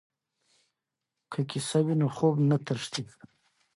که کیسه وي نو خوب نه تښتي.